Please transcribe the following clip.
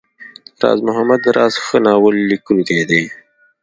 راز محمد راز ښه ناول ليکونکی دی.